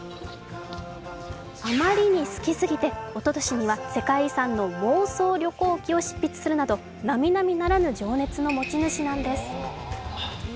あまりに好きすぎて、おととしには世界遺産の妄想旅行記を執筆するなどなみなみならぬ情熱の持ち主なんです。